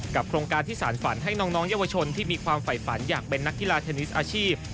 โครงการที่สารฝันให้น้องเยาวชนที่มีความฝ่ายฝันอยากเป็นนักกีฬาเทนนิสอาชีพ